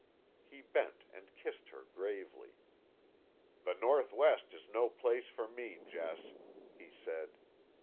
He bent and kissed her gravely. "The Northwest is no place for me, Jess," he said.